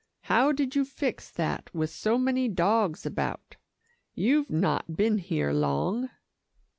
How did you fix that with so many dogs about? You've not been here long."